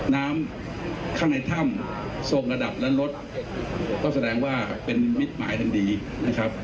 น้ำข้างในถ้ำทรงระดับและลดก็แสดงว่าเป็นมิตรหมายถึงดีนะครับ